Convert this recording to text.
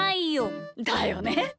だよね。